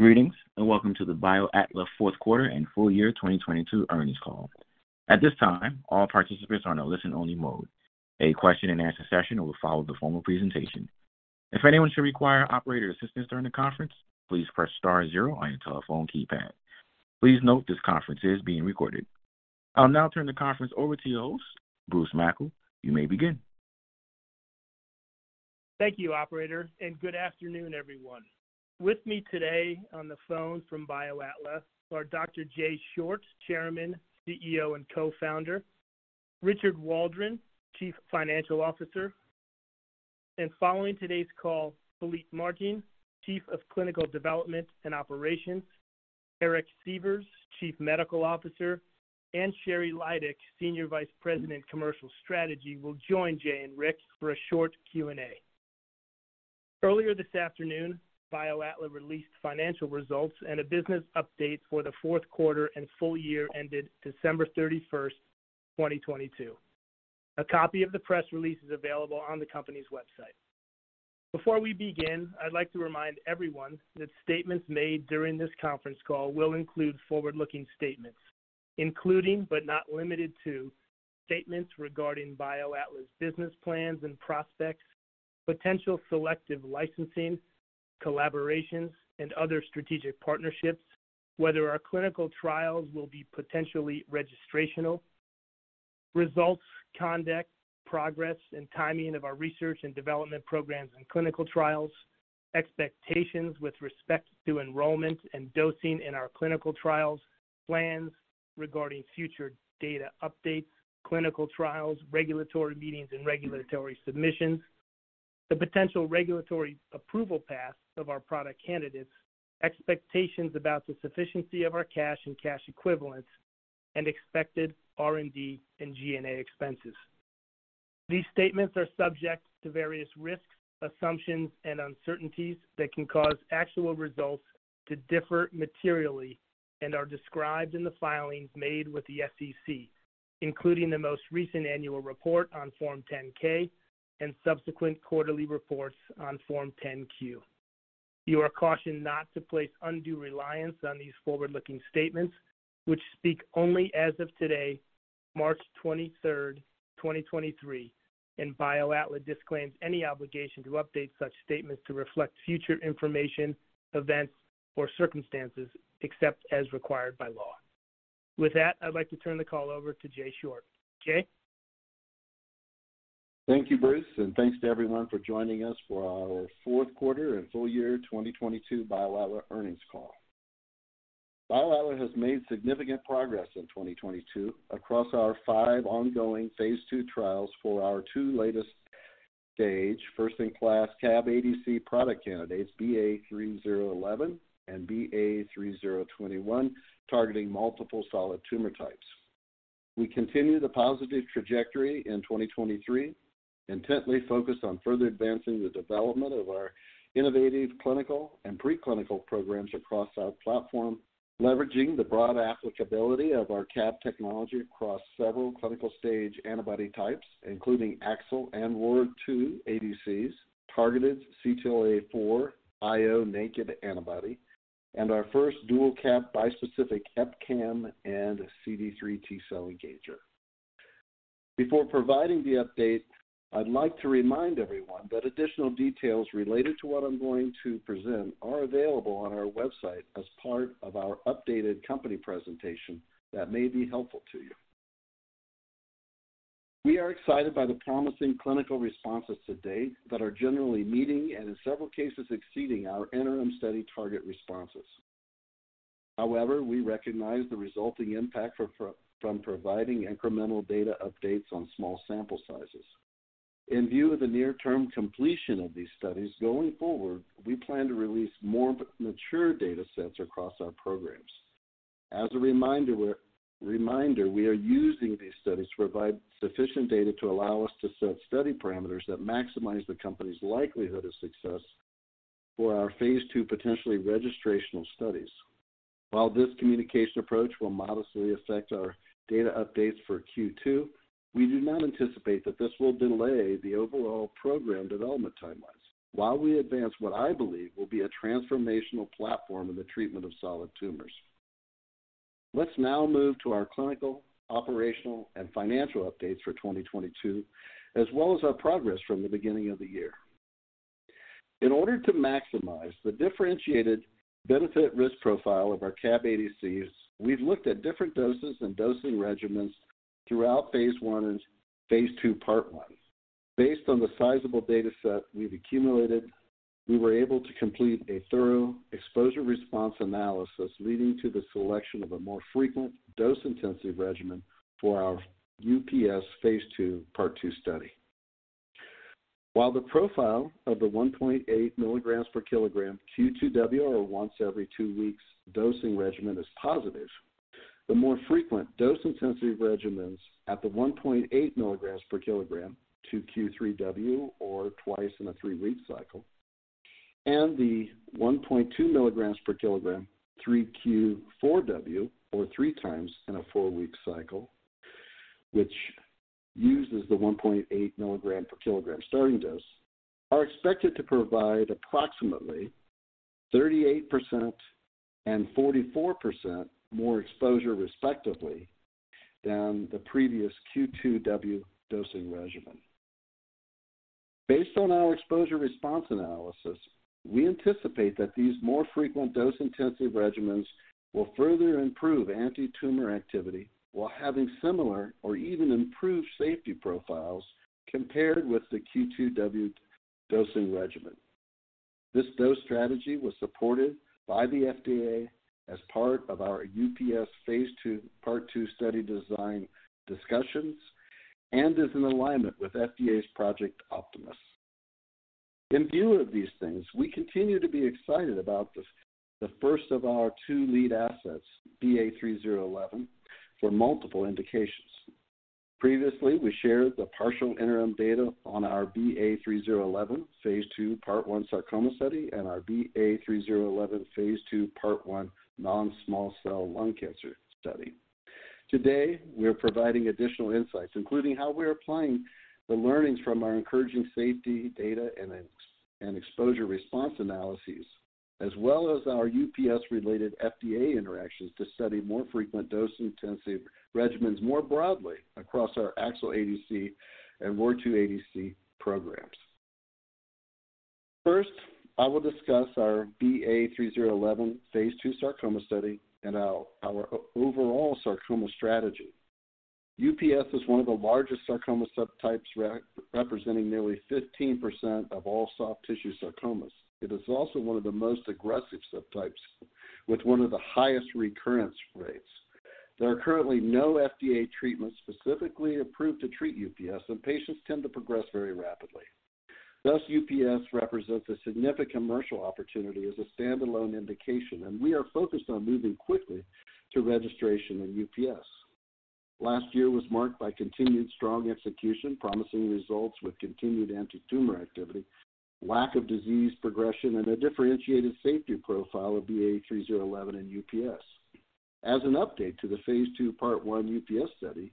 Greetings, welcome to the BioAtla fourth quarter and full year 2022 earnings call. At this time, all participants are in a listen-only mode. A question and answer session will follow the formal presentation. If anyone should require operator assistance during the conference, please press star zero on your telephone keypad. Please note this conference is being recorded. I'll now turn the conference over to your host, Bruce Mackle. You may begin. Thank you, operator, and good afternoon, everyone. With me today on the phone from BioAtla are Dr. Jay Short, Chairman, CEO, and Co-founder, Richard Waldron, Chief Financial Officer, and following today's call, Philippe Martin, Chief of Clinical Development and Operations, Eric Sievers, Chief Medical Officer, and Sheri Lydick, Senior Vice President, Commercial Strategy, will join Jay and Rick for a short Q&A. Earlier this afternoon, BioAtla released financial results and a business update for the fourth quarter and full year ended December 31, 2022. A copy of the press release is available on the company's website. Before we begin, I'd like to remind everyone that statements made during this conference call will include forward-looking statements including, but not limited to, statements regarding BioAtla business plans and prospects, potential selective licensing, collaborations, and other strategic partnerships, whether our clinical trials will be potentially registrational, results conduct, progress, and timing of our research and development programs and clinical trials, expectations with respect to enrollment and dosing in our clinical trials, plans regarding future data updates, clinical trials, regulatory meetings, and regulatory submissions, the potential regulatory approval path of our product candidates, expectations about the sufficiency of our cash and cash equivalents, and expected R&D and G&A expenses. These statements are subject to various risks, assumptions, and uncertainties that can cause actual results to differ materially and are described in the filings made with the SEC, including the most recent annual report on Form 10-K and subsequent quarterly reports on Form 10-Q. You are cautioned not to place undue reliance on these forward-looking statements, which speak only as of today, March 23rd, 2023. BioAtla disclaims any obligation to update such statements to reflect future information, events, or circumstances except as required by law. With that, I'd like to turn the call over to Jay Short. Jay? Thank you, Bruce. Thanks to everyone for joining us for our fourth quarter and full year 2022 BioAtla earnings call. BioAtla has made significant progress in 2022 across our five ongoing phase II trials for our two latest stage first-in-class CAB ADC product candidates, BA3011 and BA3021, targeting multiple solid tumor types. We continue the positive trajectory in 2023, intently focused on further advancing the development of our innovative clinical and pre-clinical programs across our platform, leveraging the broad applicability of our CAB technology across several clinical stage antibody types, including AXL and ROR2 ADCs, targeted CTLA-4 IO naked antibody, and our first dual CAB bispecific EpCAM and CD3 T-cell engager. Before providing the update, I'd like to remind everyone that additional details related to what I'm going to present are available on our website as part of our updated company presentation that may be helpful to you. We are excited by the promising clinical responses to date that are generally meeting, and in several cases, exceeding our interim study target responses. We recognize the resulting impact from providing incremental data updates on small sample sizes. In view of the near-term completion of these studies, going forward, we plan to release more mature datasets across our programs. As a reminder, we are using these studies to provide sufficient data to allow us to set study parameters that maximize the company's likelihood of success for our phase II potentially registrational studies. While this communication approach will modestly affect our data updates for Q2, we do not anticipate that this will delay the overall program development timelines while we advance what I believe will be a transformational platform in the treatment of solid tumors. Let's now move to our clinical, operational, and financial updates for 2022, as well as our progress from the beginning of the year. In order to maximize the differentiated benefit risk profile of our CAB ADCs, we've looked at different doses and dosing regimens throughout phase I and phase II, Part 1. Based on the sizable dataset we've accumulated, we were able to complete a thorough exposure response analysis, leading to the selection of a more frequent dose-intensive regimen for our UPS phase II, Part 2 study. While the profile of the 1.8 mg/kg Q2W or once every two weeks dosing regimen is positive, the more frequent dose-intensive regimens at the 1.8 mg/kg to Q3W or twice in a three-week cycle, and the 1.2 mg/kg 3Q4W or three times in a four-week cycleWhich uses the 1.8 milligram per kilogram starting dose are expected to provide approximately 38% and 44% more exposure respectively than the previous Q2W dosing regimen. Based on our exposure response analysis, we anticipate that these more frequent dose-intensive regimens will further improve antitumor activity while having similar or even improved safety profiles compared with the Q2W dosing regimen. This dose strategy was supported by the FDA as part of our UPS phase II, Part 2 study design discussions and is in alignment with FDA's Project Optimus. In view of these things, we continue to be excited about this, the first of our two lead assets, BA3011, for multiple indications. Previously, we shared the partial interim data on our BA3011 phase II, Part 1 sarcoma study and our BA3011 phase II, Part 1 non-small cell lung cancer study. Today, we are providing additional insights, including how we are applying the learnings from our encouraging safety data and exposure response analyses, as well as our UPS-related FDA interactions to study more frequent dose-intensive regimens more broadly across our AXL ADC and ROR2 ADC programs. First, I will discuss our BA3011 phase II sarcoma study and our overall sarcoma strategy. UPS is one of the largest sarcoma subtypes representing nearly 15% of all soft tissue sarcomas. It is also one of the most aggressive subtypes with one of the highest recurrence rates. There are currently no FDA treatments specifically approved to treat UPS, and patients tend to progress very rapidly. Thus, UPS represents a significant commercial opportunity as a standalone indication, and we are focused on moving quickly to registration in UPS. Last year was marked by continued strong execution, promising results with continued antitumor activity, lack of disease progression, and a differentiated safety profile of BA3011 in UPS. As an update to the phase II, Part 1 UPS study,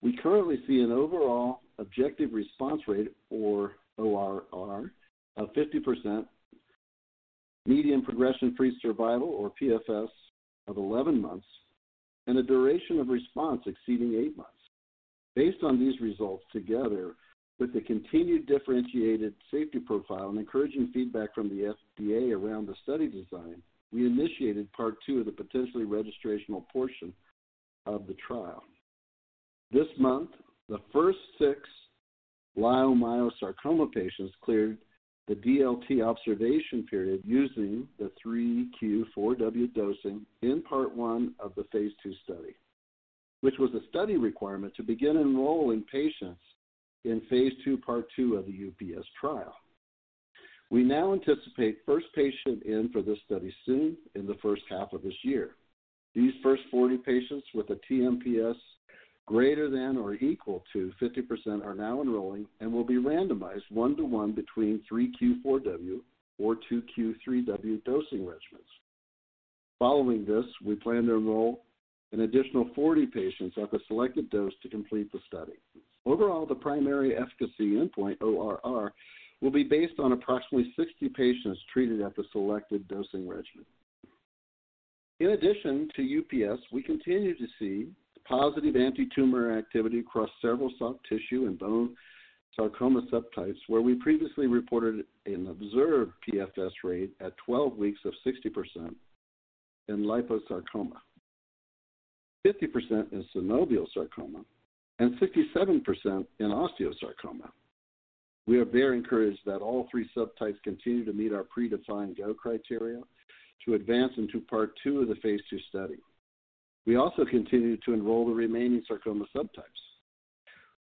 we currently see an overall objective response rate or ORR of 50%, median progression-free survival or PFS of 11 months, and a duration of response exceeding 8 months. Based on these results together with the continued differentiated safety profile and encouraging feedback from the FDA around the study design, we initiated Part 2 of the potentially registrational portion of the trial. This month, the first six leiomyosarcoma patients cleared the DLT observation period using the 3Q4W dosing in Part 1 of the phase II study, which was a study requirement to begin enrolling patients in phase II, Part 2 of the UPS trial. We now anticipate first patient in for this study soon in the first half of this year. These first 40 patients with a TmPS greater than or equal to 50% are now enrolling and will be randomized 1-to-1 between 3Q4W or 2Q3W dosing regimens. Following this, we plan to enroll an additional 40 patients at the selected dose to complete the study. Overall, the primary efficacy endpoint ORR will be based on approximately 60 patients treated at the selected dosing regimen. In addition to UPS, we continue to see positive antitumor activity across several soft tissue and bone sarcoma subtypes, where we previously reported an observed PFS rate at 12 weeks of 60% in liposarcoma, 50% in synovial sarcoma, and 67% in osteosarcoma. We are very encouraged that all three subtypes continue to meet our predefined go criteria to advance into part 2 of the phase II study. We also continue to enroll the remaining sarcoma subtypes.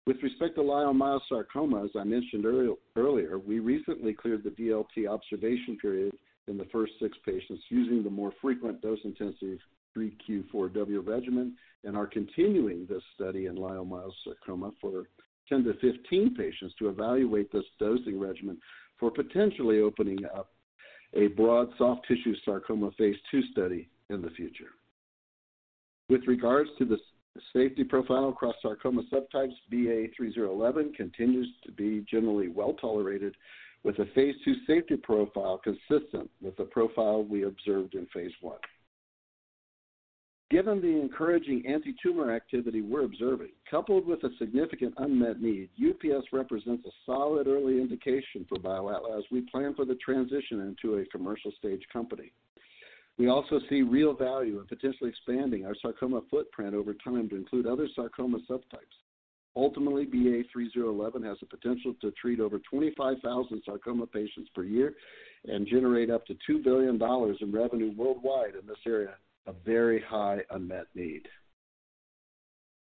With respect to leiomyosarcoma, as I mentioned earlier, we recently cleared the DLT observation period in the first six patients using the more frequent dose-intensive 3Q4W regimen and are continuing this study in leiomyosarcoma for 10 to 15 patients to evaluate this dosing regimen for potentially opening up a broad soft tissue sarcoma phase II study in the future. With regards to the safety profile across sarcoma subtypes, BA3011 continues to be generally well-tolerated with a phase II safety profile consistent with the profile we observed in phase I. Given the encouraging antitumor activity we're observing, coupled with a significant unmet need, UPS represents a solid early indication for BioAtla as we plan for the transition into a commercial stage company. We also see real value in potentially expanding our sarcoma footprint over time to include other sarcoma subtypes. Ultimately, BA3011 has the potential to treat over 25,000 sarcoma patients per year and generate up to $2 billion in revenue worldwide in this area, a very high unmet need.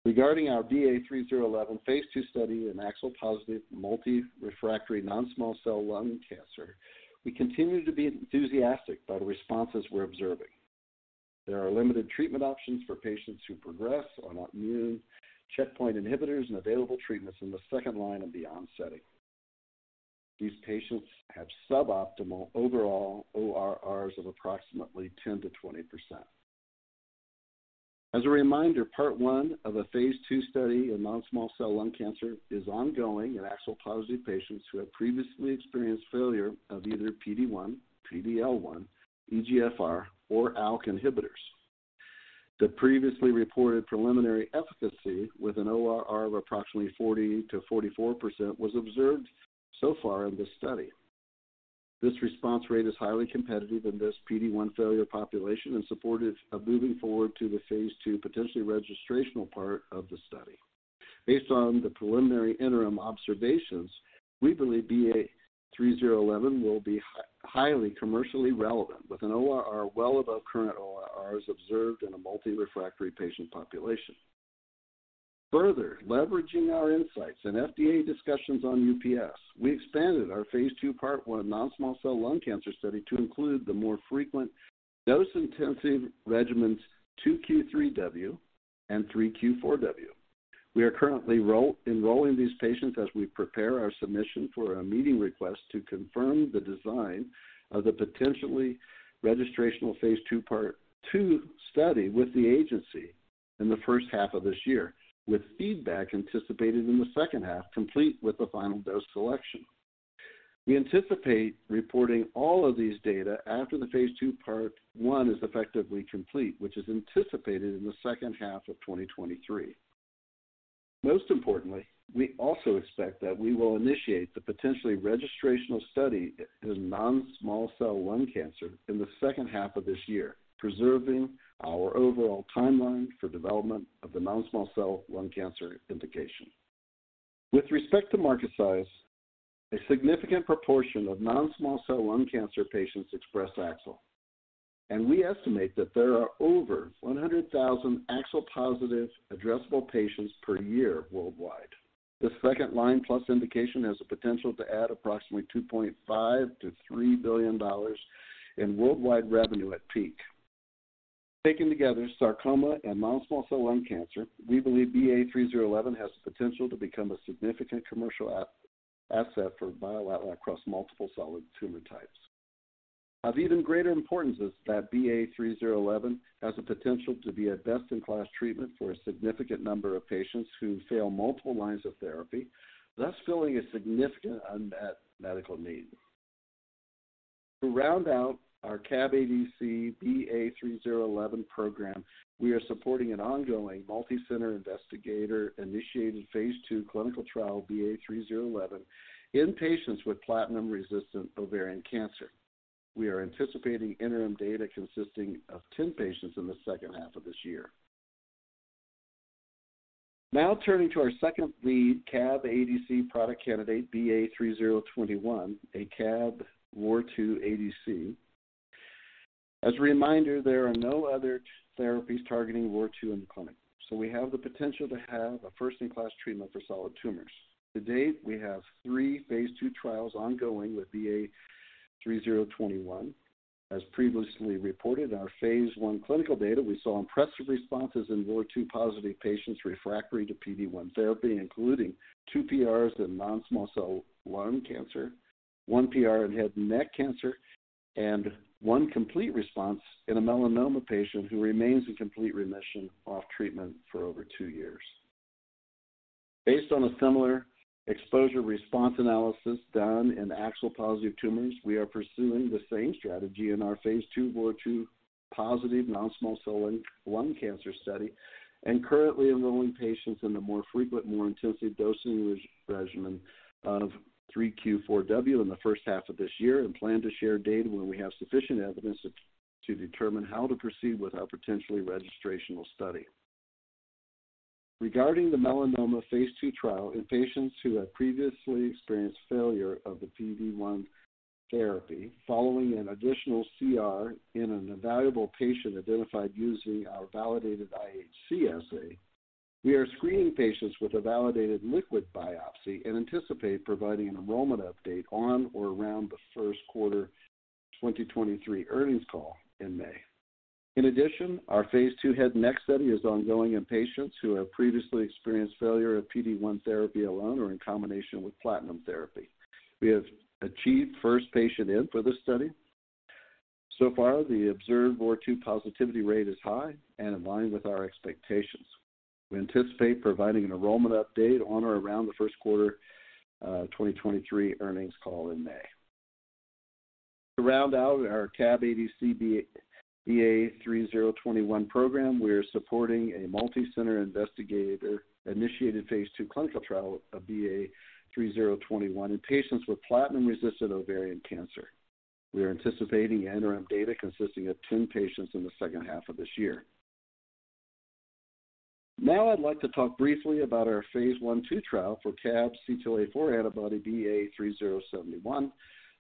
Regarding our BA3011 phase II study in AXL-positive multi-refractory non-small cell lung cancer, we continue to be enthusiastic about the responses we're observing. There are limited treatment options for patients who progress on our immune checkpoint inhibitors and available treatments in the second line and beyond setting. These patients have suboptimal overall ORRs of approximately 10%-20%. As a reminder, Part 1 of a phase II study in non-small cell lung cancer is ongoing in AXL-positive patients who have previously experienced failure of either PD-1, PD-L1, EGFR or ALK inhibitors. The previously reported preliminary efficacy with an ORR of approximately 40%-44% was observed so far in this study. This response rate is highly competitive in this PD-1 failure population and supportive of moving forward to the phase II potentially registrational part of the study. Based on the preliminary interim observations, we believe BA3011 will be highly commercially relevant with an ORR well above current ORRs observed in a multi-refractory patient population. Leveraging our insights and FDA discussions on UPS, we expanded our phase II Part 1 non-small cell lung cancer study to include the more frequent dose-intensive regimens 2 Q3W and 3 Q4W. We are currently enrolling these patients as we prepare our submission for a meeting request to confirm the design of the potentially registrational phase II Part 2 study with the agency in the first half of this year, with feedback anticipated in the second half, complete with the final dose selection. We anticipate reporting all of these data after the phase II Part 1 is effectively complete, which is anticipated in the second half of 2023. Most importantly, we also expect that we will initiate the potentially registrational study in non-small cell lung cancer in the second half of this year, preserving our overall timeline for development of the non-small cell lung cancer indication. With respect to market size, a significant proportion of non-small cell lung cancer patients express AXL. We estimate that there are over 100,000 AXL-positive addressable patients per year worldwide. The second line plus indication has the potential to add approximately $2.5 billion-$3 billion in worldwide revenue at peak. Taken together, sarcoma and non-small cell lung cancer, we believe BA3011 has the potential to become a significant commercial asset for BioAtla across multiple solid tumor types. Of even greater importance is that BA3011 has the potential to be a best-in-class treatment for a significant number of patients who fail multiple lines of therapy, thus filling a significant unmet medical need. To round out our CAB ADC BA3011 program, we are supporting an ongoing multi-center investigator-initiated phase II clinical trial BA3011 in patients with platinum-resistant ovarian cancer. We are anticipating interim data consisting of 10 patients in the second half of this year. Turning to our second lead CAB ADC product candidate, BA3021, a CAB ROR2 ADC. As a reminder, there are no other therapies targeting ROR2 in the clinic, so we have the potential to have a first-in-class treatment for solid tumors. To date, we have three phase II trials ongoing with BA3021. As previously reported, our phase I clinical data, we saw impressive responses in ROR2 positive patients refractory to PD-1 therapy, including 2 PRs in non-small cell lung cancer, 1 PR in head and neck cancer, and 1 complete response in a melanoma patient who remains in complete remission off treatment for over 2 years. Based on a similar exposure response analysis done in AXL positive tumors, we are pursuing the same strategy in our phase II ROR2 positive non-small cell lung cancer study and currently enrolling patients in the more frequent, more intensive dosing regimen of 3Q4W in the first half of this year and plan to share data when we have sufficient evidence to determine how to proceed with our potentially registrational study. Regarding the melanoma phase II trial in patients who have previously experienced failure of the PD-1 therapy following an additional CR in an evaluable patient identified using our validated IHC assay, we are screening patients with a validated liquid biopsy and anticipate providing an enrollment update on or around the first quarter 2023 earnings call in May. Our phase II head and neck study is ongoing in patients who have previously experienced failure of PD-1 therapy alone or in combination with platinum therapy. We have achieved first patient in for this study. The observed ROR2 positivity rate is high and in line with our expectations. We anticipate providing an enrollment update on or around the first quarter 2023 earnings call in May. To round out our CAB ADC BA3021 program, we are supporting a multi-center investigator-initiated Phase II clinical trial of BA3021 in patients with platinum-resistant ovarian cancer. We are anticipating interim data consisting of 10 patients in the second half of this year. I'd like to talk briefly about our phase I/II trial for CAB CTLA-4 antibody BA3071.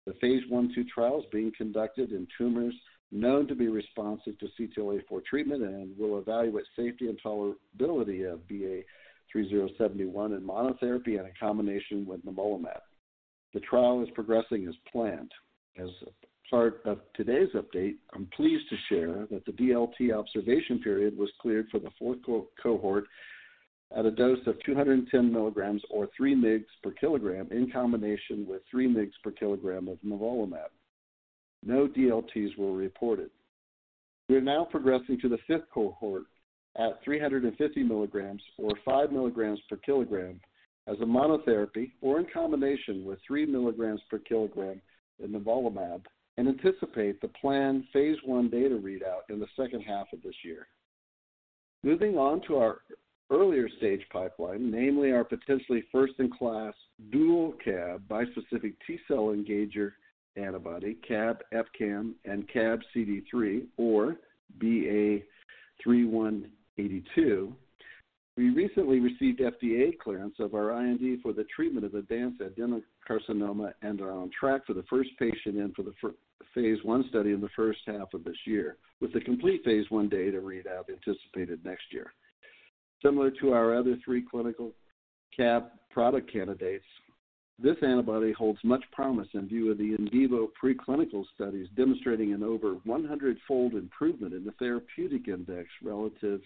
The phase I/II trial is being conducted in tumors known to be responsive to CTLA-4 treatment and will evaluate safety and tolerability of BA3071 in monotherapy and in combination with nivolumab. The trial is progressing as planned. As part of today's update, I'm pleased to share that the DLT observation period was cleared for the fourth cohort. At a dose of 210 mg or 3 mg per kilogram in combination with 3 mg per kilogram of nivolumab. No DLTs were reported. We are now progressing to the fifth cohort at 350 mg or 5 mg/kg as a monotherapy or in combination with 3 mg/kg in nivolumab, anticipate the planned phase I data readout in the second half of this year. Moving on to our earlier stage pipeline, namely our potentially first-in-class dual CAB bispecific T-cell engager antibody, CAB EpCAM and CAB-CD3 or BA3182. We recently received FDA clearance of our IND for the treatment of advanced adenocarcinoma and are on track for the first patient in for the phase I study in the first half of this year, with the complete phase I data readout anticipated next year. Similar to our other three clinical CAB product candidates, this antibody holds much promise in view of the in vivo preclinical studies demonstrating an over 100-fold improvement in the therapeutic index relative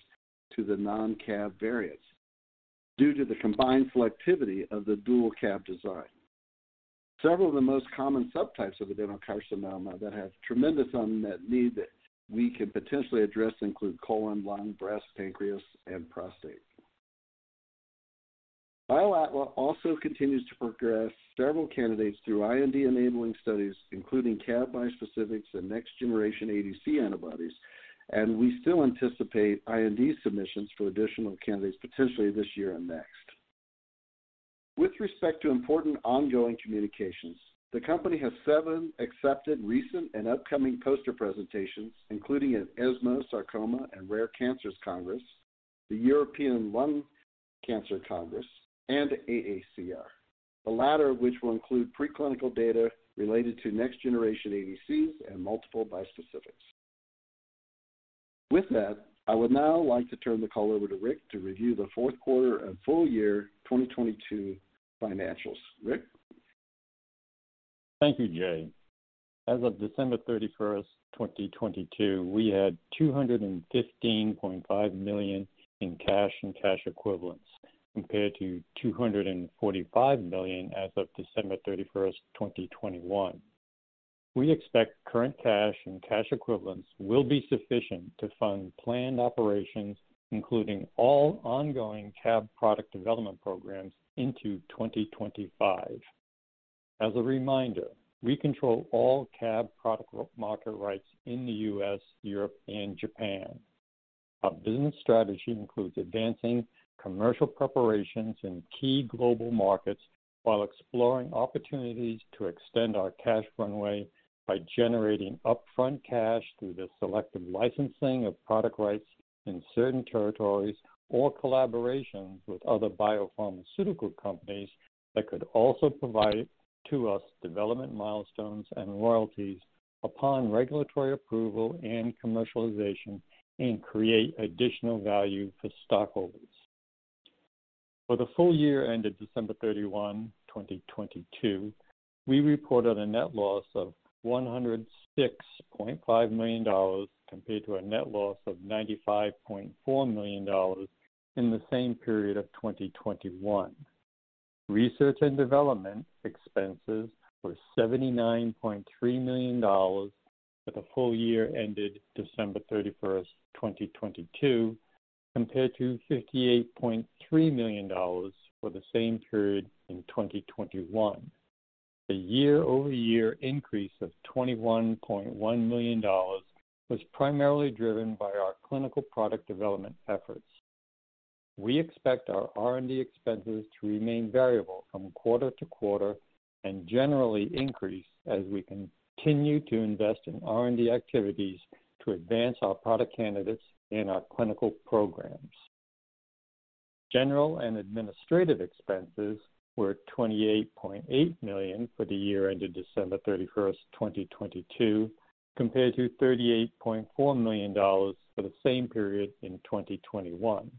to the non-CAB variants due to the combined selectivity of the dual CAB design. Several of the most common subtypes of adenocarcinoma that have tremendous unmet need that we can potentially address include colon, lung, breast, pancreas, and prostate. BioAtla also continues to progress several candidates through IND-enabling studies, including CAB bispecifics and next generation ADC antibodies, and we still anticipate IND submissions for additional candidates potentially this year and next. With respect to important ongoing communications, the company has seven accepted recent and upcoming poster presentations, including an ESMO Sarcoma and Rare Cancers Congress, the European Lung Cancer Congress, and AACR, the latter of which will include preclinical data related to next generation ADCs and multiple bispecifics. With that, I would now like to turn the call over to Rick to review the fourth quarter and full year 2022 financials. Rick? Thank you, Jay. As of December 31, 2022, we had $215.5 million in cash and cash equivalents compared to $245 million as of December 31, 2021. We expect current cash and cash equivalents will be sufficient to fund planned operations, including all ongoing CAB product development programs into 2025. As a reminder, we control all CAB product market rights in the U.S., Europe and Japan. Our business strategy includes advancing commercial preparations in key global markets while exploring opportunities to extend our cash runway by generating upfront cash through the selective licensing of product rights in certain territories or collaborations with other biopharmaceutical companies that could also provide to us development milestones and royalties upon regulatory approval and commercialization and create additional value for stockholders. For the full year ended December 31, 2022, we reported a net loss of $106.5 million compared to a net loss of $95.4 million in the same period of 2021. Research and development expenses were $79.3 million for the full year ended December 31st, 2022, compared to $58.3 million for the same period in 2021. The year-over-year increase of $21.1 million was primarily driven by our clinical product development efforts. We expect our R&D expenses to remain variable from quarter to quarter and generally increase as we continue to invest in R&D activities to advance our product candidates in our clinical programs. General and administrative expenses were $28.8 million for the year ended December 31, 2022, compared to $38.4 million for the same period in 2021.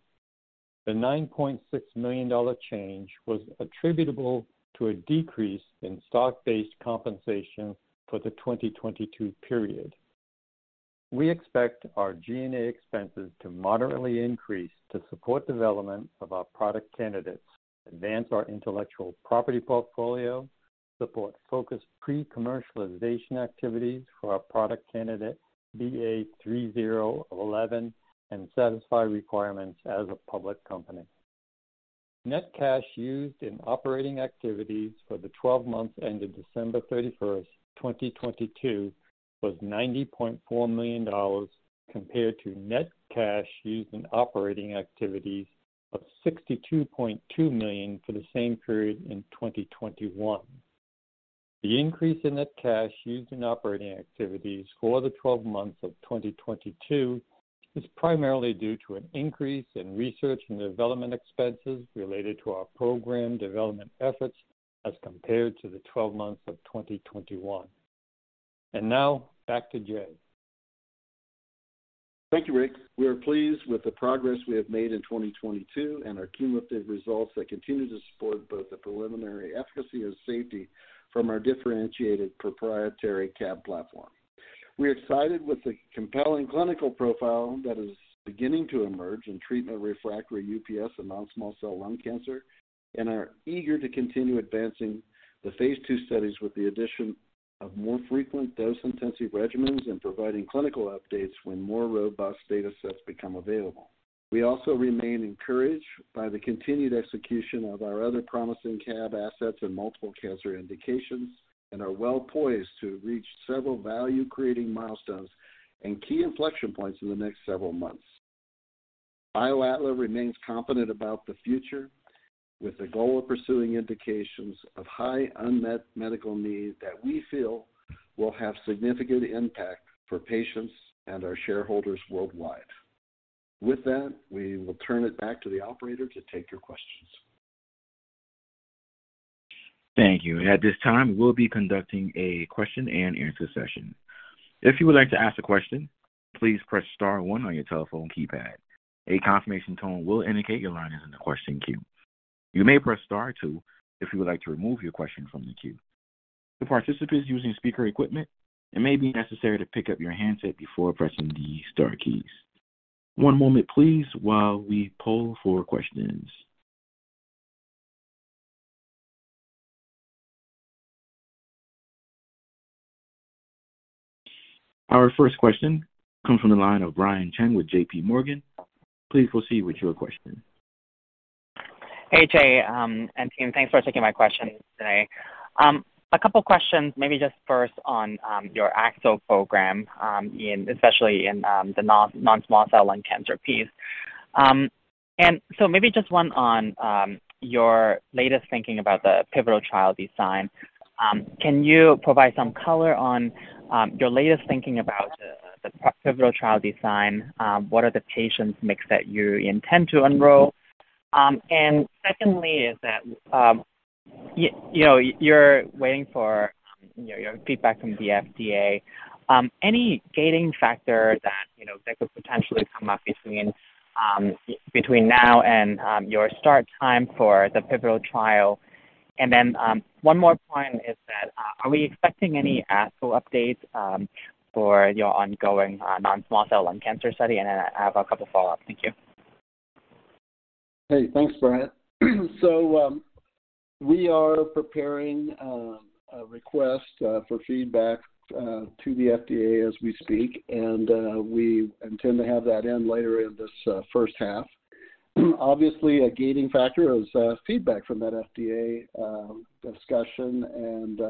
The $9.6 million change was attributable to a decrease in stock-based compensation for the 2022 period. We expect our G&A expenses to moderately increase to support development of our product candidates, advance our intellectual property portfolio, support focused pre-commercialization activities for our product candidate BA3011, and satisfy requirements as a public company. Net cash used in operating activities for the 12 months ended December 31, 2022 was $90.4 million compared to net cash used in operating activities of $62.2 million for the same period in 2021. The increase in net cash used in operating activities for the 12 months of 2022 is primarily due to an increase in research and development expenses related to our program development efforts as compared to the 12 months of 2021. Now back to Jay. Thank you, Rick. We are pleased with the progress we have made in 2022 and our cumulative results that continue to support both the preliminary efficacy and safety from our differentiated proprietary CAB platform. We're excited with the compelling clinical profile that is beginning to emerge in treatment refractory UPS and non-small cell lung cancer, and are eager to continue advancing the phase II studies with the addition of more frequent dose-intensive regimens and providing clinical updates when more robust data sets become available. We also remain encouraged by the continued execution of our other promising CAB assets in multiple cancer indications and are well poised to reach several value-creating milestones and key inflection points in the next several months. BioAtla remains confident about the future, with the goal of pursuing indications of high unmet medical need that we feel will have significant impact for patients and our shareholders worldwide. With that, we will turn it back to the operator to take your questions. Thank you. At this time, we'll be conducting a question and answer session. If you would like to ask a question, please press star one on your telephone keypad. A confirmation tone will indicate your line is in the question queue. You may press star two if you would like to remove your question from the queue. For participants using speaker equipment, it may be necessary to pick up your handset before pressing the star keys. One moment please while we poll for questions. Our first question comes from the line of Brian Cheng with J.P. Morgan. Please proceed with your question. Hey, Jay, and team. Thanks for taking my questions today. A couple of questions, maybe just first on your AXL program, in, especially in the non-small cell lung cancer piece. Maybe just one on your latest thinking about the pivotal trial design. Can you provide some color on your latest thinking about the pivotal trial design? What are the patients mix that you intend to enroll? Secondly is that, you know, you're waiting for, you know, your feedback from the FDA. Any gating factor that, you know, that could potentially come up between now and your start time for the pivotal trial? One more point is that, are we expecting any AXL updates for your ongoing non-small cell lung cancer study? I have a couple follow-up. Thank you. Thanks, Brian. We are preparing a request for feedback to the FDA as we speak, and we intend to have that in later in this first half. Obviously, a gating factor is feedback from that FDA discussion and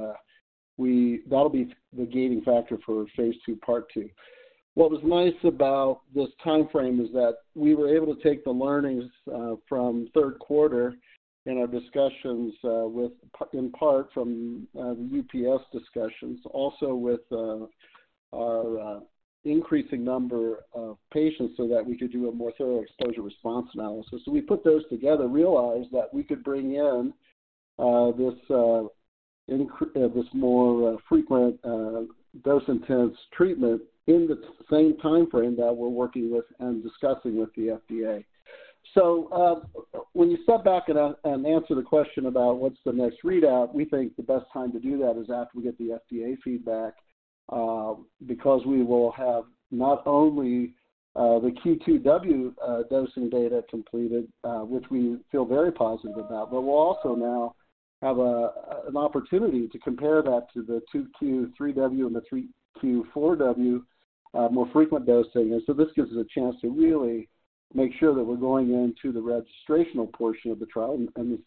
that'll be the gating factor for phase II, Part 2. What was nice about this timeframe is that we were able to take the learnings from third quarter in our discussions in part from the UPS discussions, also with our increasing number of patients so that we could do a more thorough exposure response analysis. We put those together, realized that we could bring in this more frequent, dose-intense treatment in the same timeframe that we're working with and discussing with the FDA. When you step back and answer the question about what's the next readout, we think the best time to do that is after we get the FDA feedback, because we will have not only the Q2W dosing data completed, which we feel very positive about, but we'll also now have an opportunity to compare that to the 2Q3W and the 3Q4W more frequent dosing. This gives us a chance to really make sure that we're going into the registrational portion of the trial.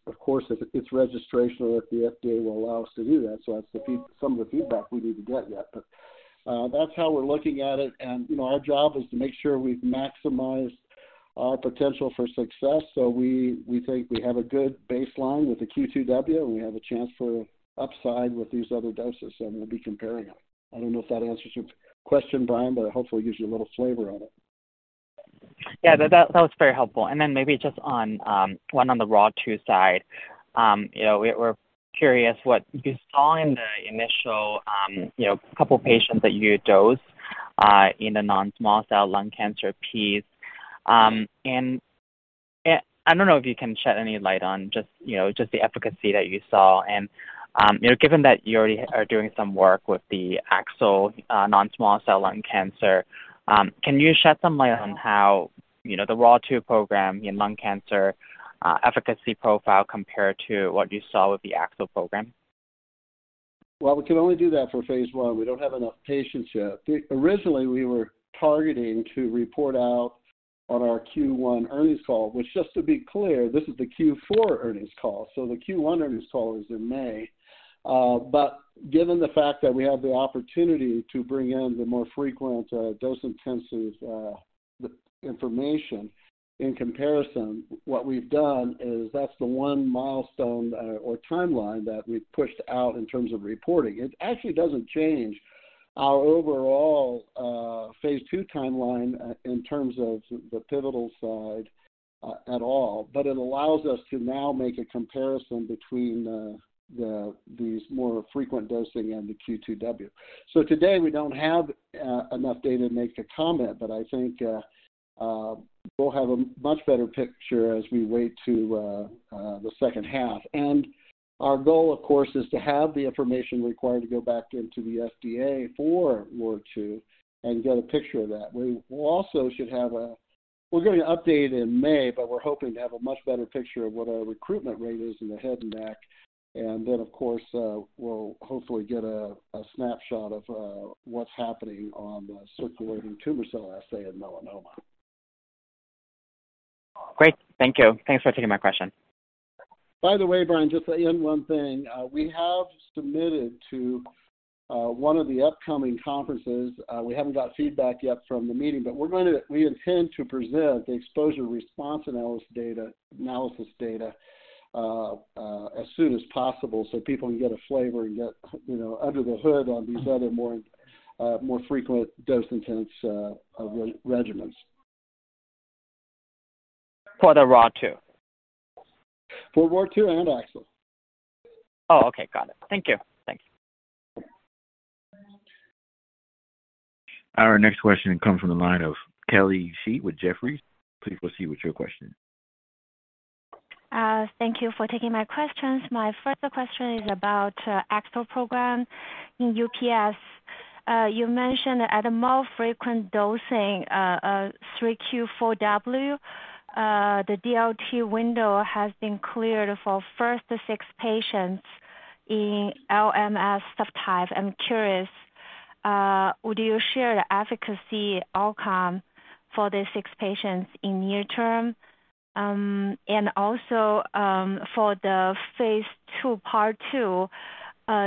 Of course, if it's registrational, if the FDA will allow us to do that. That's some of the feedback we need to get yet. That's how we're looking at it. You know, our job is to make sure we've maximized our potential for success. We think we have a good baseline with the Q2W, and we have a chance for upside with these other doses, and we'll be comparing them. I don't know if that answers your question, Brian, but hopefully it gives you a little flavor of it. That was very helpful. Maybe just on one on the ROR2 side, you know, we're curious what you saw in the initial, you know, 2 patients that you dosed in the non-small cell lung cancer piece. I don't know if you can shed any light on just, you know, just the efficacy that you saw and, you know, given that you already are doing some work with the AXL, non-small cell lung cancer, can you shed some light on how, you know, the ROR2 program in lung cancer, efficacy profile compared to what you saw with the AXL program? Well, we can only do that for phase I. We don't have enough patients yet. Originally, we were targeting to report out on our Q1 earnings call, which just to be clear, this is the Q4 earnings call. The Q1 earnings call is in May. Given the fact that we have the opportunity to bring in the more frequent dose intensives information in comparison, what we've done is that's the one milestone or timeline that we've pushed out in terms of reporting. It actually doesn't change our overall phase II timeline in terms of the pivotal side at all. It allows us to now make a comparison between these more frequent dosing and the Q2W. Today, we don't have enough data to make a comment, but I think we'll have a much better picture as we wait to the second half. Our goal, of course, is to have the information required to go back into the FDA for more two and get a picture of that. We also should have. We're going to update in May, but we're hoping to have a much better picture of what our recruitment rate is in the head and neck. Then of course, we'll hopefully get a snapshot of what's happening on the circulating tumor cell assay in melanoma. Great. Thank you. Thanks for taking my question. Brian, just to end one thing. We have submitted to one of the upcoming conferences. We haven't got feedback yet from the meeting, but we intend to present the exposure response analysis data as soon as possible so people can get a flavor and get, you know, under the hood on these other more, more frequent dose-intense regimens. For the ROR2. For ROR2 and AXL. Oh, okay. Got it. Thank you. Thank you. Our next question comes from the line of Kelly Shi with Jefferies. Please proceed with your question. Thank you for taking my questions. My first question is about AXL program in UPS. You mentioned at a more frequent dosing, 3Q4W, the DLT window has been cleared for first six patients in LMS subtype. I'm curious, would you share the efficacy outcome for the six patients in near term? Also, for the phase II, Part 2,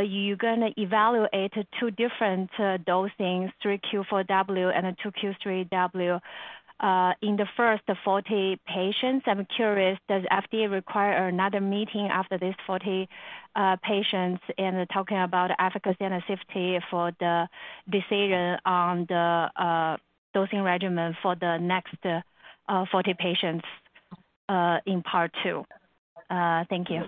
you're gonna evaluate two different dosings, 3Q4W and then 2Q3W. In the first 40 patients, I'm curious, does FDA require another meeting after these 40 patients and talking about efficacy and safety for the decision on the dosing regimen for the next 40 patients in Part 2? Thank you.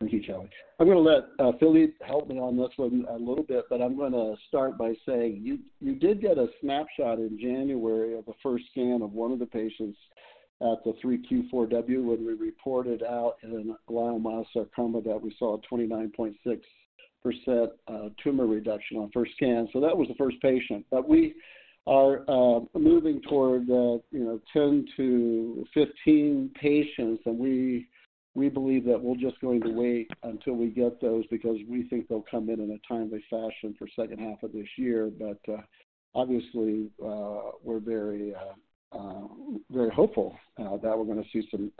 Thank you, Kelly. I'm gonna let Philippe help me on this one a little bit, but I'm gonna start by saying you did get a snapshot in January of the first scan of one of the patients at the 3Q4W when we reported out in an glioblastoma that we saw a 29.6% tumor reduction on first scan. That was the first patient. we are moving toward, you know, 10 to 15 patients, and we believe that we're just going to wait until we get those because we think they'll come in in a timely fashion for second half of this year. obviously, we're very, very hopeful that we're gonna see some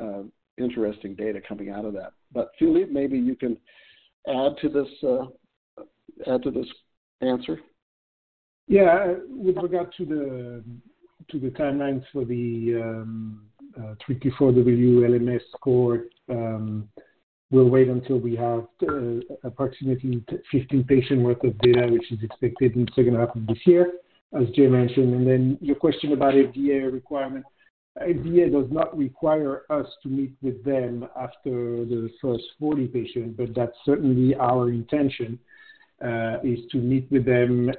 interesting data coming out of that. Philippe, maybe you can add to this answer. Yeah. With regard to the timelines for the 3Q4W LMS cohort, we'll wait until we have approximately 15 patient worth of data, which is expected in the second half of this year, as Jay mentioned. Your question about FDA requirement. FDA does not require us to meet with them after the first 40 patients, but that's certainly our intention, is to meet with them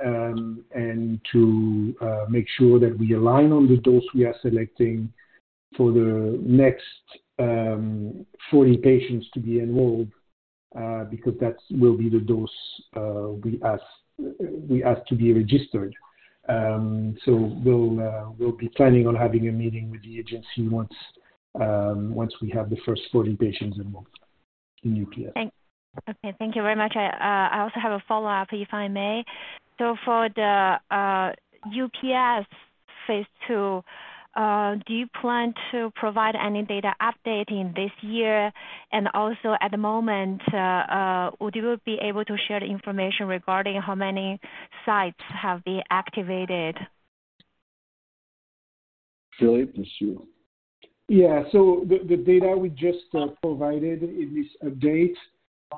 and to make sure that we align on the dose we are selecting for the next 40 patients to be enrolled, because that will be the dose we ask to be registered. We'll be planning on having a meeting with the agency once we have the first 40 patients enrolled in UPS. Okay. Thank you very much. I also have a follow-up, if I may. For the UPS phase II, do you plan to provide any data update in this year? Also at the moment, would you be able to share the information regarding how many sites have been activated? Philippe, it's you. Yeah. The data we just provided in this update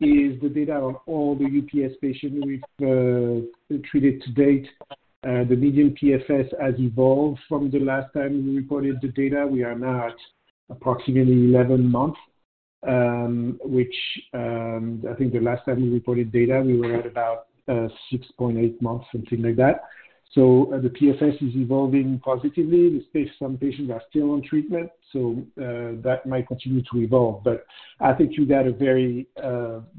is the data on all the UPS patients we've treated to date. The median PFS has evolved from the last time we reported the data. We are now at approximately 11 months, which I think the last time we reported data, we were at about 6.8 months, something like that. The PFS is evolving positively. Some patients are still on treatment, that might continue to evolve. I think you got a very,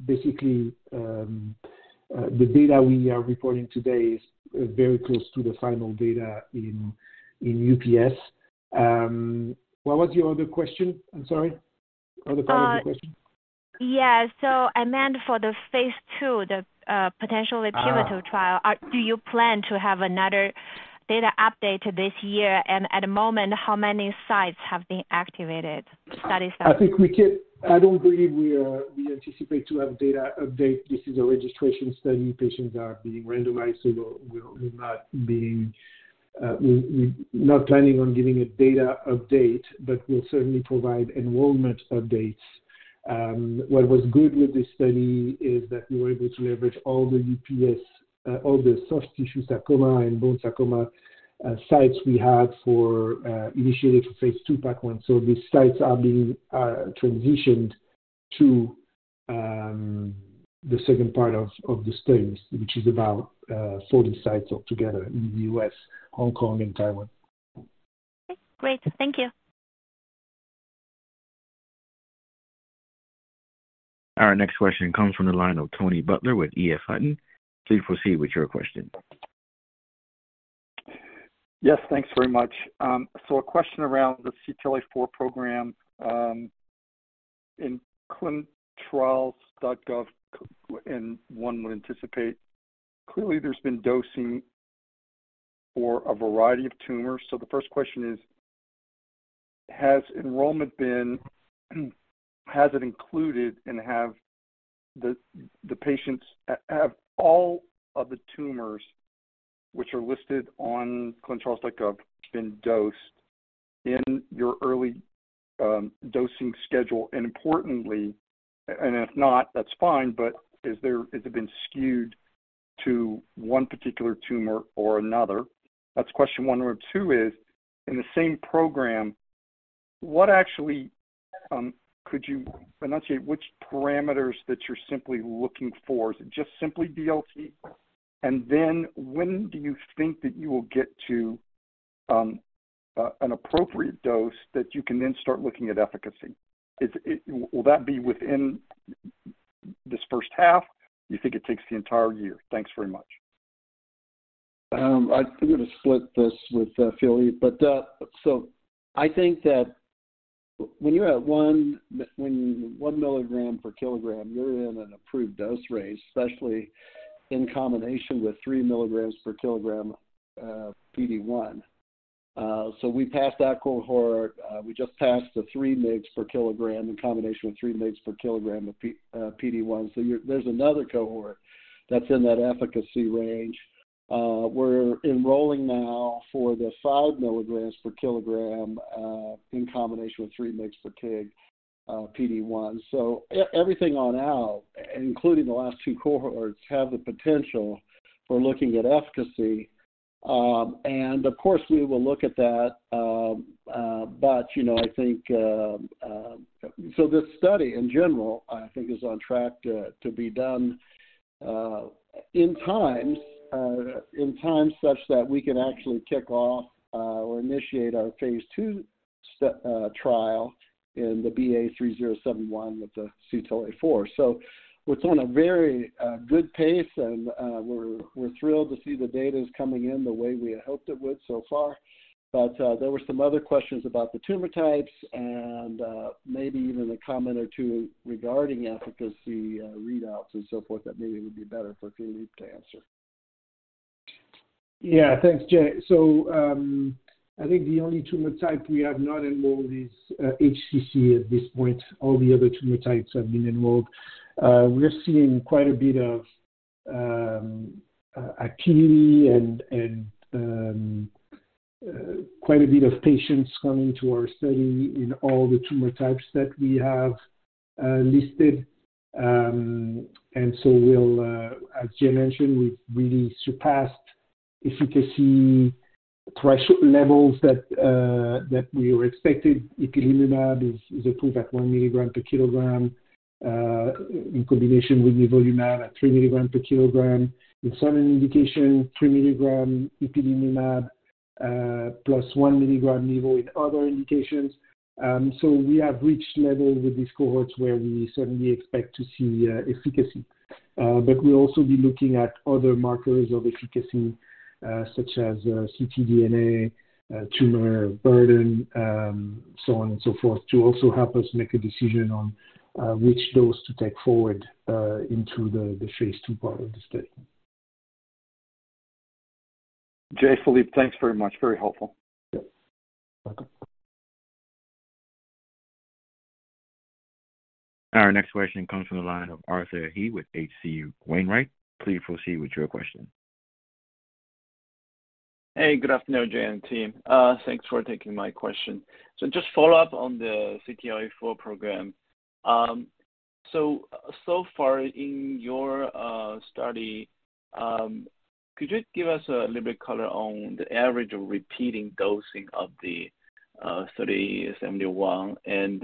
basically, the data we are reporting today is very close to the final data in UPS. What was your other question? I'm sorry. Other part of the question. Yeah. I meant for the phase II. Ah. -potential repetitive trial. Do you plan to have another data update this year? At the moment, how many sites have been activated? I think we can. I don't believe we anticipate to have data update. This is a registration study. Patients are being randomized, so we're not being, we're not planning on giving a data update, but we'll certainly provide enrollment updates. What was good with this study is that we were able to leverage all the UPS, all the soft tissue sarcoma and bone sarcoma sites we had for initially for phase II Part 1. These sites are being transitioned to the second part of the studies, which is about 40 sites altogether in the U.S., Hong Kong and Taiwan. Okay. Great. Thank you. Our next question comes from the line of Tony Butler with EF Hutton. Please proceed with your question. Yes, thanks very much. So a question around the CTLA-4 program, in ClinicalTrials.gov and one would anticipate. Clearly there's been dosing for a variety of tumors. The first question is, has enrollment been included, and have the patients have all of the tumors which are listed on ClinicalTrials.gov been dosed in your early dosing schedule? Importantly, and if not, that's fine, but is there has it been skewed to one particular tumor or another? That's question 1. Number 2 is, in the same program, what actually could you enunciate which parameters that you're simply looking for? Is it just simply DLT? Then when do you think that you will get to an appropriate dose that you can then start looking at efficacy? Will that be within this first half? You think it takes the entire year? Thanks very much. I'm gonna split this with Philippe, I think that when you're at 1 mg/kg, you're in an approved dose range, especially in combination with 3 mg/kg PD-1. We passed that cohort. We just passed the 3 mgs per kilogram in combination with 3 mgs per kilogram of PD-1. There's another cohort that's in that efficacy range. We're enrolling now for the 5 mg/kg in combination with 3 mgs per kg PD-1. Everything on out, including the last two cohorts, have the potential for looking at efficacy. Of course, we will look at that, but you know, I think... This study in general, I think is on track to be done in times such that we can actually kick off or initiate our phase II trial in the BA3071 with the CTLA-4. It's on a very good pace and we're thrilled to see the data is coming in the way we had hoped it would so far. There were some other questions about the tumor types and maybe even a comment or two regarding efficacy readouts and so forth that maybe it would be better for Philippe to answer. Yeah. Thanks, Jay. I think the only tumor type we have not enrolled is HCC at this point. All the other tumor types have been enrolled. We're seeing quite a bit of activity and quite a bit of patients coming to our study in all the tumor types that we have listed. We'll as Jay mentioned, we've really surpassed efficacy threshold levels that we were expected. ipilimumab is approved at 1 milligram per kilogram in combination with nivolumab at 3 milligram per kilogram. In certain indication, 3 milligram ipilimumab plus 1 milligram nivo in other indications. We have reached levels with these cohorts where we certainly expect to see efficacy. We'll also be looking at other markers of efficacy, such as ctDNA, tumor burden, so on and so forth, to also help us make a decision on which dose to take forward into the phase II part of the study. Jay, Philippe, thanks very much. Very helpful. Yep. Welcome. Our next question comes from the line of Arthur He with H.C. Wainwright. Please proceed with your question. Hey, good afternoon, Jay and team. Thanks for taking my question. Just follow up on the CTLA-4 program. So far in your study, could you give us a little bit color on the average repeating dosing of the study 71 and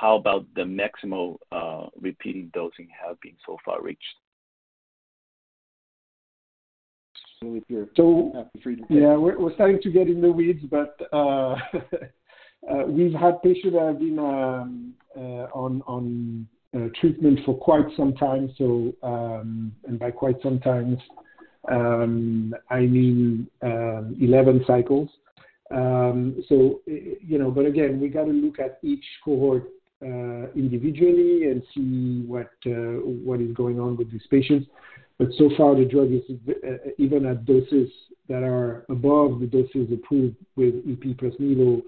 how about the maximal repeating dosing have been so far reached? So if you're- So- Happy for you to take. Yeah, we're starting to get in the weeds, we've had patients that have been on treatment for quite some time. By quite some time, I mean 11 cycles. You know, again, we gotta look at each cohort individually and see what is going on with these patients. So far the drug is even at doses that are above the doses approved with ipi plus nivo,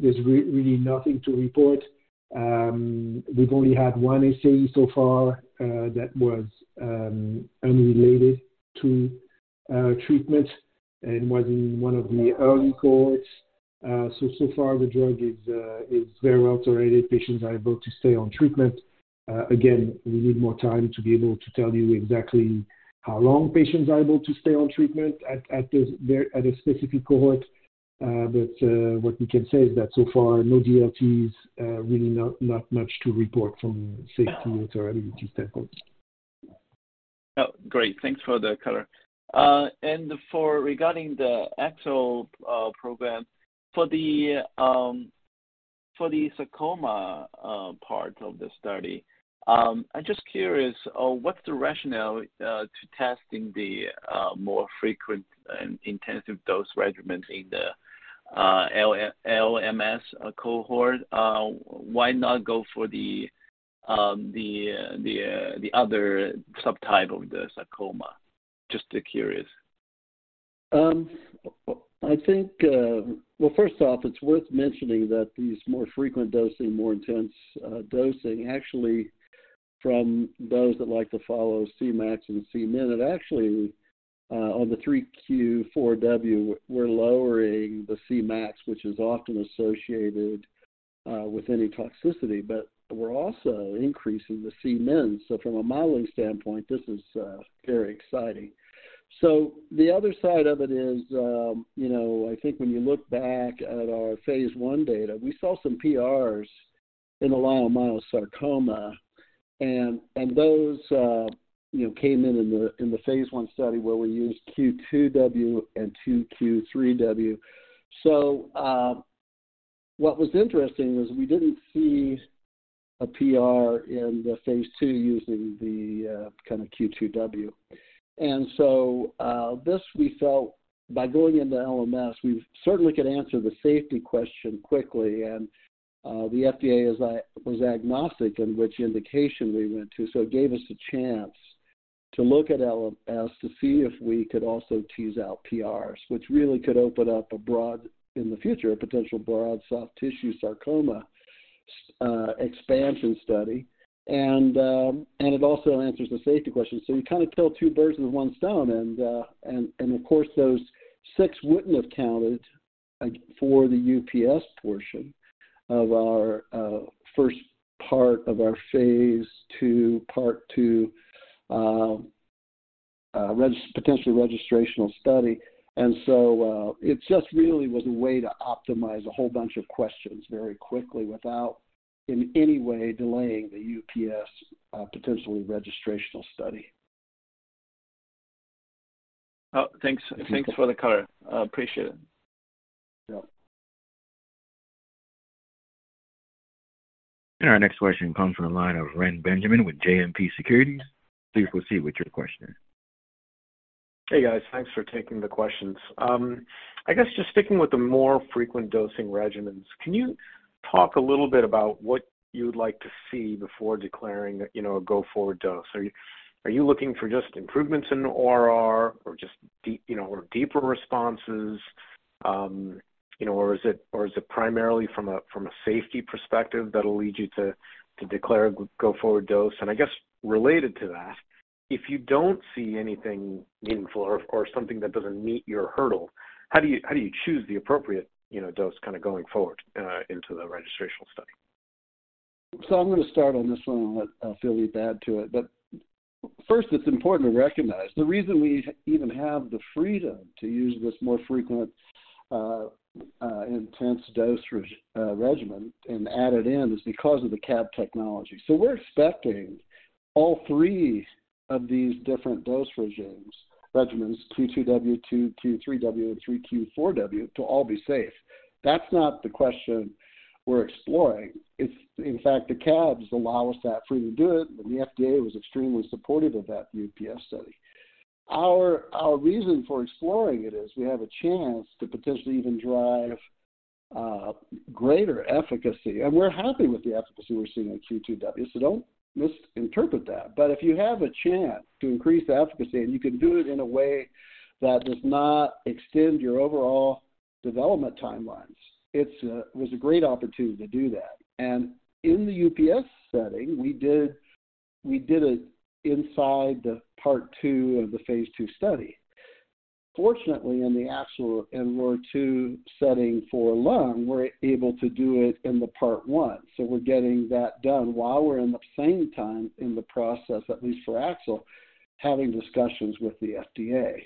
there's really nothing to report. We've only had one SAE so far that was unrelated to treatment and was in one of the early cohorts. So far the drug is very well-tolerated. Patients are able to stay on treatment. Again, we need more time to be able to tell you exactly how long patients are able to stay on treatment at a specific cohort. What we can say is that so far, no DLTs, really not much to report from safety and tolerability standpoint. Great. Thanks for the color. Regarding the AXL program, for the sarcoma part of the study, I'm just curious, what's the rationale to testing the more frequent and intensive dose regimens in the LMS cohort? Why not go for the other subtype of the sarcoma? Just curious. Well, first off, it's worth mentioning that these more frequent dosing, more intense dosing, actually from those that like to follow Cmax and Cmin, that actually on the 3Q4W, we're lowering the Cmax, which is often associated with any toxicity, but we're also increasing the Cmin. From a modeling standpoint, this is very exciting. The other side of it is, you know, I think when you look back at our phase I data, we saw some PRs in the leiomyosarcoma and those, you know, came in the phase I study where we used Q2W and 2Q3W. What was interesting is we didn't see a PR in the phase II using the kind of Q2W. This we felt by going into LMS, we certainly could answer the safety question quickly and the FDA was agnostic in which indication we went to, so it gave us a chance to look at LMS to see if we could also tease out PRs, which really could open up a broad, in the future, a potential broad soft tissue sarcoma expansion study. It also answers the safety question. We kinda kill 2 birds with 1 stone. Of course, those 6 wouldn't have counted, like, for the UPS portion of our first part of our phase II, Part 2 potential registrational study. It just really was a way to optimize a whole bunch of questions very quickly without in any way delaying the UPS, potentially registrational study. Thanks for the color. I appreciate it. Yeah. Our next question comes from the line of Reni Benjamin with JMP Securities. Please proceed with your question. Hey, guys. Thanks for taking the questions. I guess just sticking with the more frequent dosing regimens, can you talk a little bit about what you'd like to see before declaring, you know, a go-forward dose? Are you looking for just improvements in the ORR or just deep, or deeper responses? Or is it primarily from a safety perspective that'll lead you to declare a go-forward dose? I guess related to that, if you don't see anything meaningful or something that doesn't meet your hurdle, how do you choose the appropriate, you know, dose kinda going forward into the registrational study? I'm gonna start on this one and let Philippe add to it. First, it's important to recognize the reason we even have the freedom to use this more frequent, intense dose regimen and add it in is because of the CAB technology. We're expecting all 3 of these different dose regimens, Q2W, Q 2 3 W, and 3Q4W to all be safe. That's not the question we're exploring. It's in fact, the CABs allow us that freedom to do it, and the FDA was extremely supportive of that in the UPS study. Our reason for exploring it is we have a chance to potentially even drive greater efficacy, and we're happy with the efficacy we're seeing in Q2W, so don't misinterpret that. If you have a chance to increase the efficacy, and you can do it in a way that does not extend your overall development timelines, it was a great opportunity to do that. In the UPS setting, we did it inside the Part 2 of the phase II study. Fortunately, in the AXL and ROR2 setting for lung, we're able to do it in the Part 1. We're getting that done while we're in the same time in the process, at least for AXL, having discussions with the FDA.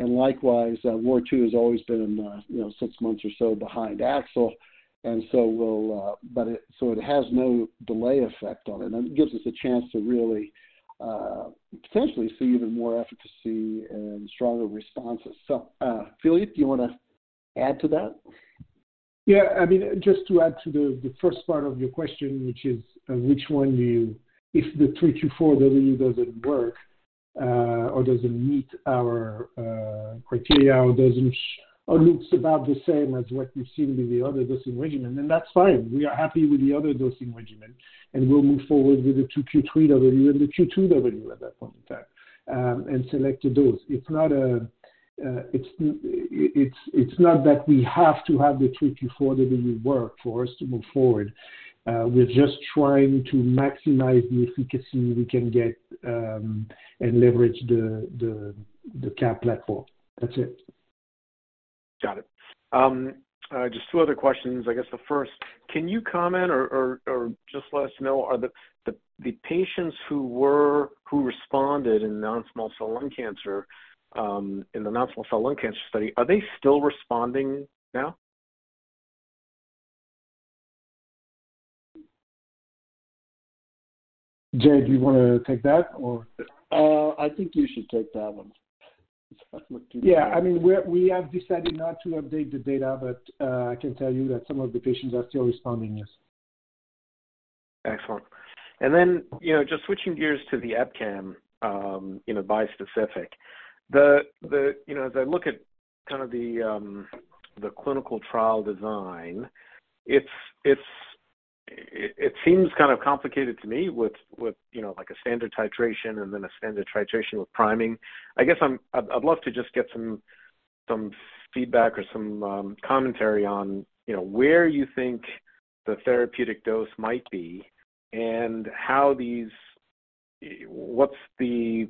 Likewise, ROR2 has always been, you know, six months or so behind AXL, and so we'll, but it, so it has no delay effect on it. It gives us a chance to really potentially see even more efficacy and stronger responses. Philippe, do you wanna add to that? I mean, just to add to the first part of your question, which is, If the 3Q4W doesn't work, or doesn't meet our criteria or looks about the same as what we've seen with the other dosing regimen, that's fine. We are happy with the other dosing regimen, and we'll move forward with the 2Q3W and the Q2W at that point in time, and select a dose. It's not that we have to have the 3Q4W work for us to move forward. We're just trying to maximize the efficacy we can get, and leverage the CAB platform. That's it. Got it. Just two other questions. I guess the first, can you comment or just let us know, are the patients who responded in non-small cell lung cancer, in the non-small cell lung cancer study, are they still responding now? Jay, do you wanna take that or? I think you should take that one. Yeah, I mean, we have decided not to update the data. I can tell you that some of the patients are still responding, yes. Excellent. You know, just switching gears to the EpCAM, you know, bispecific. You know, as I look at kind of the clinical trial design, it seems kind of complicated to me with, you know, like a standard titration and then a standard titration with priming. I'd love to just get some feedback or some commentary on, you know, where you think the therapeutic dose might be and what's the,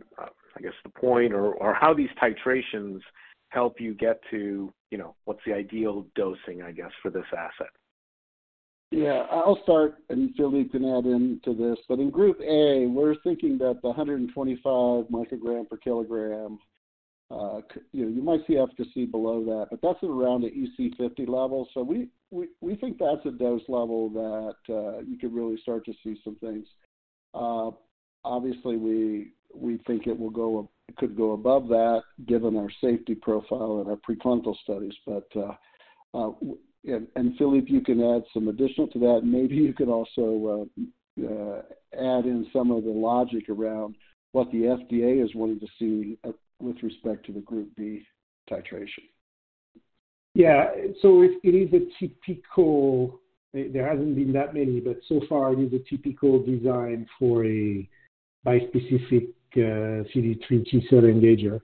I guess, the point or how these titrations help you get to, you know, what's the ideal dosing, I guess, for this asset? I'll start, and Philippe can add into this. In group A, we're thinking that the 125 microgram per kilogram, you know, you might see efficacy below that, but that's around the EC50 level. We think that's a dose level that you could really start to see some things. Obviously we think it could go above that given our safety profile and our preclinical studies. Philippe, you can add some additional to that, and maybe you could also add in some of the logic around what the FDA is wanting to see with respect to the group B titration. Yeah. There hasn't been that many, but so far it is a typical design for a bispecific CD3 T-cell engager.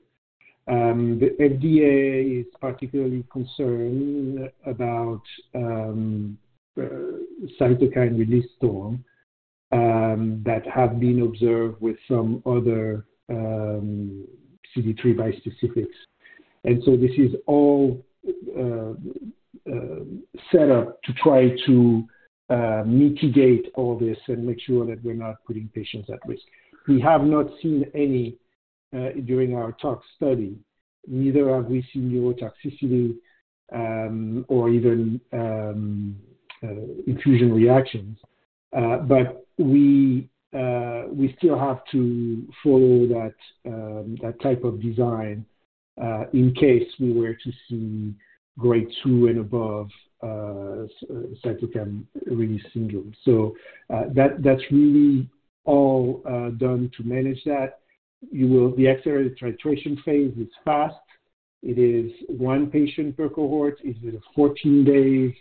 The FDA is particularly concerned about cytokine release syndrome that have been observed with some other CD3 bispecifics. This is all set up to try to mitigate all this and make sure that we're not putting patients at risk. We have not seen any during our tox study, neither have we seen neurotoxicity or even infusion reactions. We still have to follow that type of design in case we were to see grade 2 and above cytokine release syndrome. That's really all done to manage that. The accelerated titration phase is fast. It is one patient per cohort. It's a 14 days,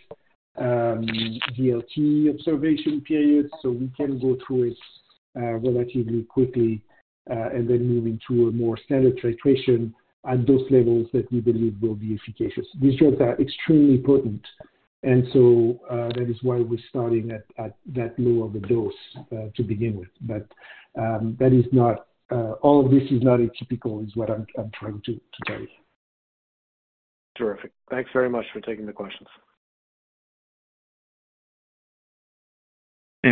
DLT observation period. We can go through it relatively quickly and then move into a more standard titration at dose levels that we believe will be efficacious. These drugs are extremely potent and so that is why we're starting at that low of a dose to begin with. All of this is not atypical, is what I'm trying to tell you. Terrific. Thanks very much for taking the questions.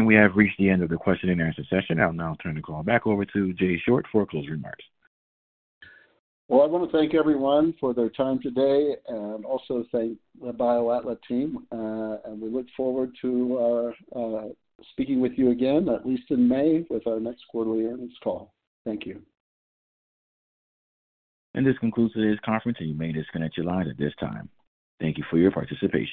We have reached the end of the question and answer session. I'll now turn the call back over to Jay Short for closing remarks. Well, I wanna thank everyone for their time today, and also thank the BioAtla team. We look forward to speaking with you again, at least in May with our next quarterly earnings call. Thank you. This concludes today's conference. You may disconnect your line at this time. Thank you for your participation.